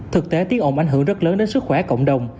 thực tế tiếng ồn ảnh hưởng rất lớn đến sức khỏe cộng đồng